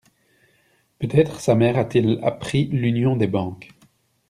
Peut-être sa mère a-t-elle appris l'union des banques.